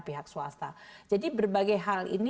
pihak swasta jadi berbagai hal ini